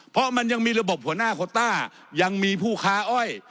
เพราะมันยังมีระบบหัวหน้าโคต้ายังมีผู้ค้าอ้อย